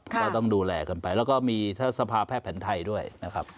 ก็ต้องดูแลกันไปแล้วก็มีสภาพแพทย์แผนไทยด้วยนะครับ